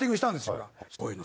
どういうの？